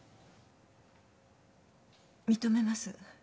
認めます。